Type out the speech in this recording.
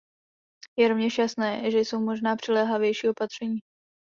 Je rovněž jasné, že jsou možná přiléhavější opatření.